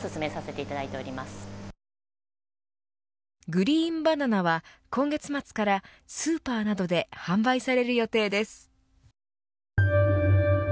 グリーンバナナは今月末からスーパーなどで販売される予定です。